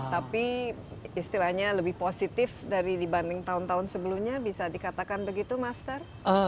tapi istilahnya lebih positif dari dibanding tahun tahun sebelumnya bisa dikatakan begitu master